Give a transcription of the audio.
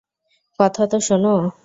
কথা তো শোনো?